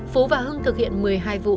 phú và hưng thực hiện một mươi hai vụ